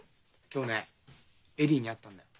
今日恵里に会ったんだよ。